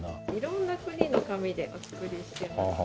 色んな国の紙でお作りしてますね。